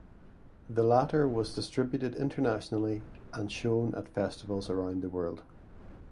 The latter was distributed internationally and shown at festivals around the world.